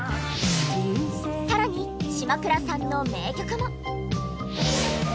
更に島倉さんの名曲も。